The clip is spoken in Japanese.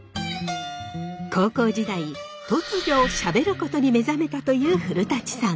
高校時代突如しゃべることに目覚めたという古さん。